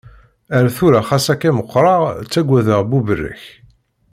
Ar tura xas akka meqqreɣ, ttaggadeɣ buberrak.